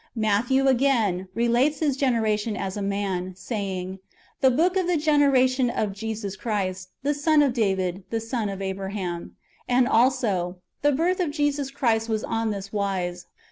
Matthew, again, relates His generation as a man, saying, " The book of the generation of Jesus Christ, the son of David, the son of Abraham;"^ and also, " The birth of Jesus Christ was on this wise."